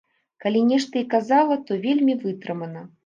Калі нешта і казала, то вельмі вытрымана.